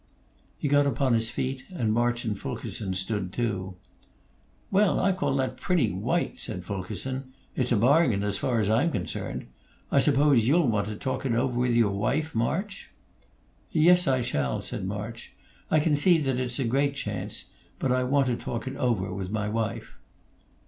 He got upon his feet; and March and Fulkerson stood, too. "Well, I call that pretty white," said Fulkerson. "It's a bargain as far as I'm concerned. I suppose you'll want to talk it over with your wife, March?" "Yes; I shall," said March. "I can see that it's a great chance; but I want to talk it over with my wife."